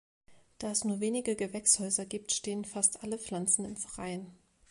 Da es nur wenige Gewächshäuser gibt, stehen fast alle Pflanzen im Freien.